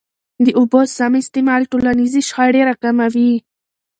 د اوبو سم استعمال ټولنیزي شخړي را کموي.